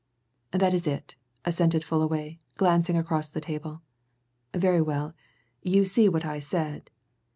"That is it," assented Fullaway, glancing across the table. "Very well, you see what I said.